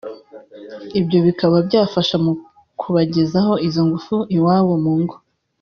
ibyo bikaba byafasha mu kubagezaho izo ngufu iwabo mu ngo